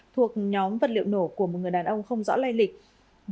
thuộc nhóm vật liệu nổ của một người đàn ông không rõ lai lịch